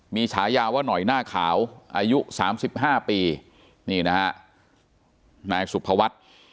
มีฉายาว่าหน่อยหน้าขาวอายุ๓๕ปีนี่นะฮะนายสุภวัฒน์